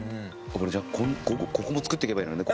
じゃあここも作っていけばいいのね。